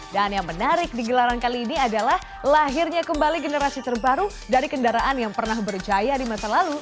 dan yang menarik di gelaran kali ini adalah lahirnya kembali generasi terbaru dari kendaraan yang pernah berjaya di masa lalu